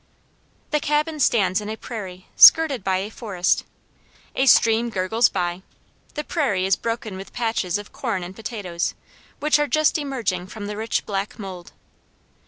The cabin stands in a prairie, skirted by a forest. A stream gurgles by. The prairie is broken with patches of corn and potatoes, which are just emerging from the rich black mould.